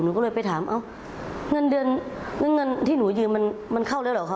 หนูก็เลยไปถามเงินเงินที่หนูยืมมันเข้าแล้วเหรอคะ